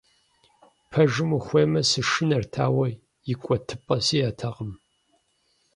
Пэжым ухуеймэ, сышынэрт, ауэ икӀуэтыпӀэ сиӀэтэкъым.